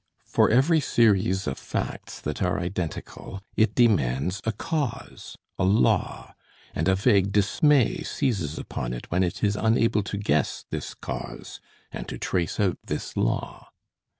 For every series of facts that are identical, it demands a cause, a law; and a vague dismay seizes upon it when it is unable to guess this cause and to trace out this law.